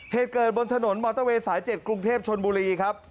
เหตุเกิดบนถนนมอเตอร์เวย์สาย๗กรุงเทพชนบุรีครับ